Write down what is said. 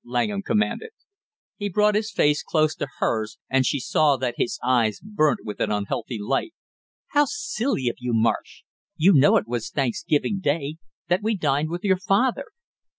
Langham commanded. He brought his face close to hers and she saw that his eyes burnt with an unhealthy light. "How silly of you, Marsh, you know it was Thanksgiving day, that we dined with your father."